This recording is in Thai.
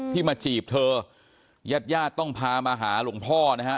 มาจีบเธอญาติญาติต้องพามาหาหลวงพ่อนะฮะ